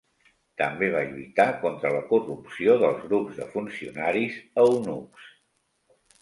També va lluitar contra la corrupció dels grups de funcionaris eunucs.